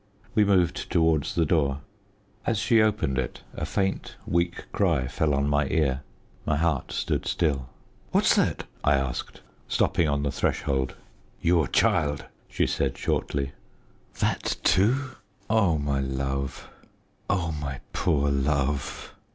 We moved towards the door. As she opened it a faint, weak cry fell on my ear. My heart stood still. "What's that?" I asked, stopping on the threshold. "Your child," she said shortly. That, too! Oh, my love! oh, my poor love!